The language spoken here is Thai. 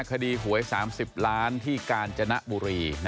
คดีหวย๓๐ล้านที่กาญจนบุรี